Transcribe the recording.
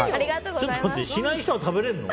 しない人も食べられるの。